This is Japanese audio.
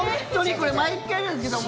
これ毎回言うんですけども。